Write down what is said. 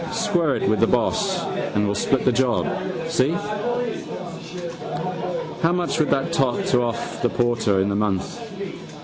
Square it you with the boss and we'll split the job, see? How much would that tot to off the porter in the month?